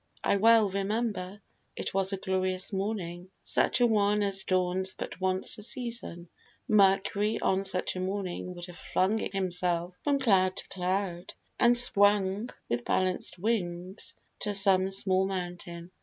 I well remember, It was a glorious morning, such a one As dawns but once a season. Mercury On such a morning would have flung himself From cloud to cloud, and swum with balanced wings To some tall mountain.